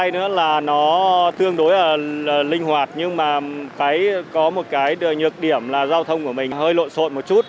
nữa là nó tương đối là linh hoạt nhưng mà có một cái nhược điểm là giao thông của mình hơi lộn xộn một chút